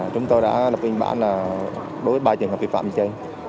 chúng tôi đã lập biên bản là đối với ba trường hợp bị phạm như thế